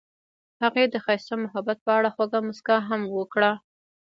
هغې د ښایسته محبت په اړه خوږه موسکا هم وکړه.